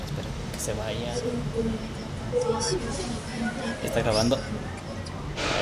She often writes about issues of identity and culture.